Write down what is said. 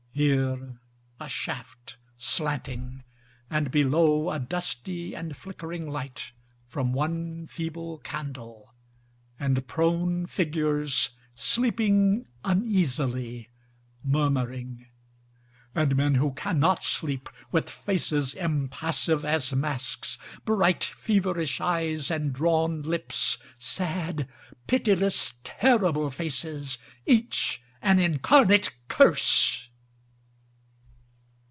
Here a shaft, slanting, and below A dusty and flickering light from one feeble candle And prone figures sleeping uneasily, Murmuring, And men who cannot sleep, With faces impassive as masks, Bright, feverish eyes, and drawn lips, Sad, pitiless, terrible faces, Each an incarnate curse.